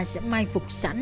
sẽ mai phục sẵn